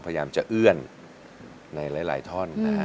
ทางทำจะเอื้อนหลายท่อน